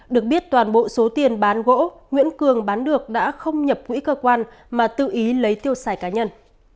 được biết toàn bộ số tiền bán gỗ nguyễn cường bán được đã không nhập quỹ cơ quan mà tự ý lấy tiêu xài cá nhân